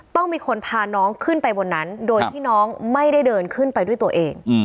ต้องมีคนพาน้องขึ้นไปบนนั้นโดยที่น้องไม่ได้เดินขึ้นไปด้วยตัวเอง